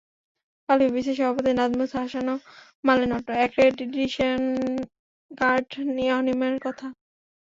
কাল বিসিবি সভাপতি নাজমুল হাসানও মানলেন অ্যাক্রেডিটেশন কার্ড নিয়ে অনিয়মের কথা।